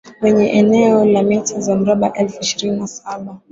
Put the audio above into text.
wenye eneo la mita za mraba elfu ishirini na saba